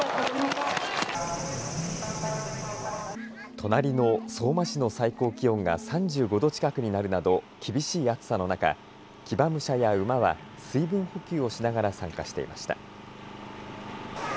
隣の相馬市の最高気温が３５度近くになるなど厳しい暑さの中騎馬武者や馬は水分補給をしながら参加していました。